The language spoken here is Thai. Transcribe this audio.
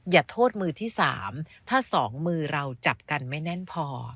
อย่าโทษมือที่๓ถ้า๒มือเราจับกันไม่แน่นพอ